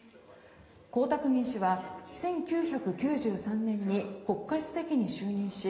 江沢民氏は１９９３年に国家主席に就任し